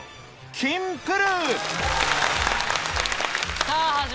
『キンプる。』！